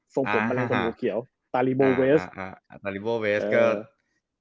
ซงผมแมลงหัวเขียวอ่าอ่าอ่าอ่าอ่าเตอริโบเฟสเคอร์